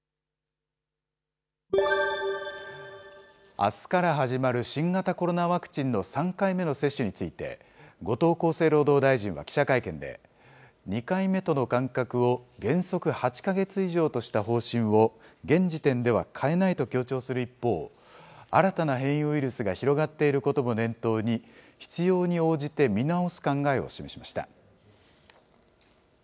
あすから始まる新型コロナワクチンの３回目の接種について、後藤厚生労働大臣は記者会見で、２回目との間隔を原則８か月以上とした方針を現時点では変えないと強調する一方、新たな変異ウイルスが広がっていることも念頭に、必要に応じて見直す考えを示しました。